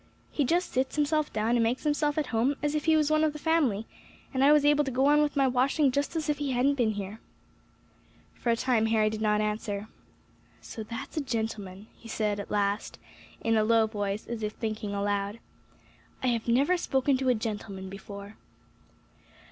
He just sits himself down and makes himself at home as if he was one of the family, and I was able to go on with my washing just as if he hadn't been here." For a time Harry did not answer. "So, that's a gentleman," he said at last, in a low voice, as if thinking aloud; "I have never spoken to a gentleman before."